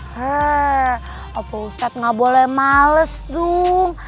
her opa ustad gak boleh males dong